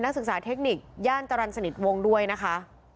ศึกษาเทคนิคย่านจรรย์สนิทวงศ์ด้วยนะคะ